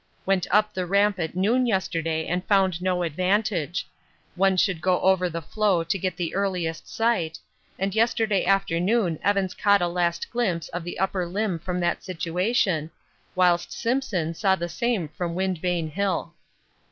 Went up the Ramp at noon yesterday and found no advantage one should go over the floe to get the earliest sight, and yesterday afternoon Evans caught a last glimpse of the upper limb from that situation, whilst Simpson saw the same from Wind Vane Hill.